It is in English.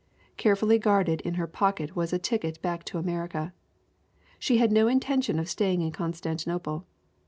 Carefully guarded in her pocket was a ticket back to America. She had no in tention of staying in Constantinople.